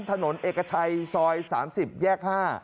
ถนนเอกชัยซอย๓๐แยก๕